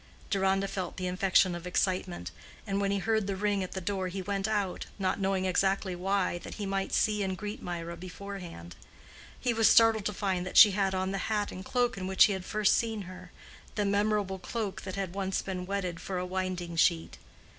Deronda felt the infection of excitement, and when he heard the ring at the door, he went out, not knowing exactly why, that he might see and greet Mirah beforehand. He was startled to find that she had on the hat and cloak in which he had first seen her—the memorable cloak that had once been wetted for a winding sheet.